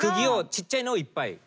ちっちゃいのをいっぱい。